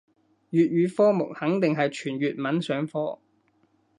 粵語科目肯定係全粵文上課